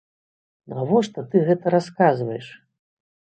Навошта ты гэта расказваеш?